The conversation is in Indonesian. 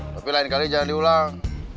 tapi lain kali jangan diulang